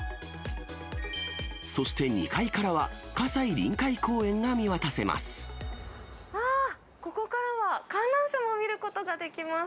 そして２階からは、うわー、ここからは観覧車も見ることができます。